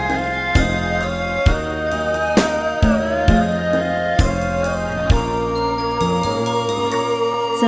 ขอบคุณครับ